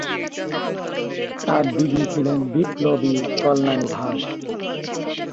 তার দিদি ছিলেন বিপ্লবী কল্যাণী দাস।